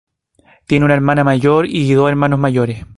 Tiene una hermana mayor y dos hermanos mayores.